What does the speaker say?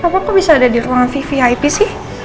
apa kok bisa ada di ruang vvip sih